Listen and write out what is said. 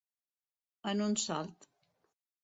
En un salt.